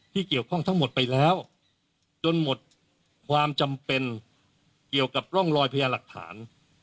เกี่ยวข้องทั้งหมดไปแล้วจนหมดความจำเป็นเกี่ยวกับร่องรอยพยาหลักฐาน